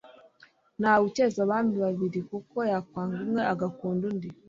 ntawe ucyeza abami babiri; kuko yakwanga umwe agakunda undi